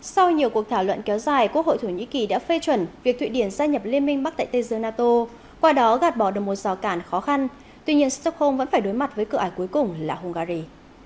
sau nhiều cuộc thảo luận kéo dài quốc hội thổ nhĩ kỳ đã phê chuẩn việc thụy điển gia nhập liên minh bắc tại tây dương nato qua đó gạt bỏ được một giò cản khó khăn tuy nhiên stockholm vẫn phải đối mặt với cửa ải cuối cùng là hungary